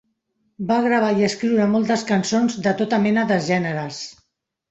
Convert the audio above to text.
Va gravar i escriure moltes cançons de tota mena de gèneres.